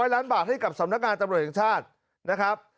ล้านบาทให้กับสำนักงานตำรวจแห่งชาตินะครับ